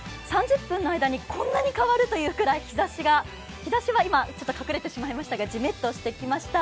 ３０分の間にこんなに変わる？というぐらい、日ざしは今隠れてしまいましたがジメっとしてきました。